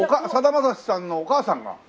さだまさしさんのお母さんが？